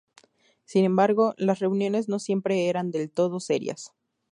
Sin embargo, las reuniones no siempre eran del todo serias.